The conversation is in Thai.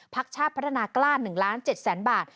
พักชาติพัฒนากล้าน๑๗๐๐๐๐๐บาท